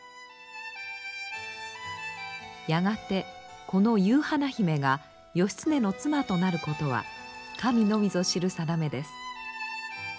やがてこの夕花姫が義経の妻となることは神のみぞ知る定めです。